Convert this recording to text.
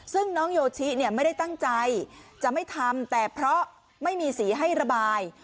ซึ่งน้องโยชิไม่ได้ตั้งใจจะไม่ทำแต่เพราะไม่มีสีให้ระบาย